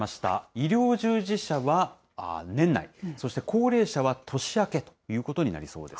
医療従事者は年内、そして高齢者は年明けということになりそうです。